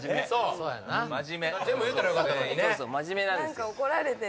何か怒られてる。